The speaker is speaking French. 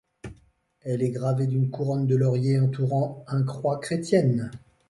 Elle est gravée d'une couronne de laurier entourant un croix chrétienne.